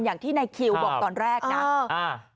อย่างที่นายคิวบอกตอนแรกนะ